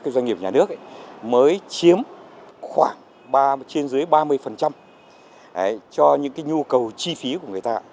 doanh nghiệp nhà nước mới chiếm khoảng trên dưới ba mươi cho những nhu cầu chi phí của người ta